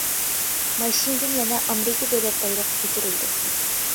ماشىنىدىن يەنە ئامېرىكا دۆلەت بايرىقى كۆتۈرۈلىدۇ.